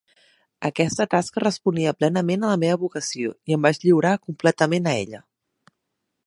Aquesta tasca responia plenament a la meva vocació, i em vaig lliurar completament a ella.